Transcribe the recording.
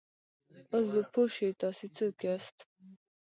اوس به پوه شې، تاسې څوک یاست؟